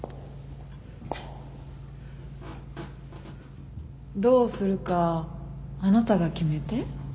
どうするかあなたが決めて。